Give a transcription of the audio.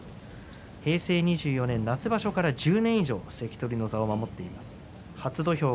平成２４年夏場所以来１０年以上関取を守っています。